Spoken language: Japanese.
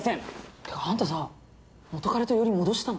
っていうかあんたさ元カレとより戻したの？